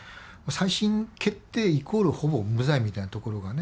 再審決定イコールほぼ無罪みたいなところがね